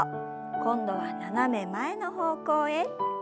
今度は斜め前の方向へ。